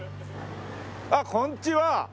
あっこんにちは。